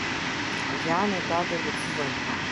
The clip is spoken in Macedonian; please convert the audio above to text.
Јане даде ветување.